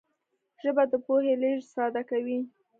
ژبه د پوهې لېږد ساده کوي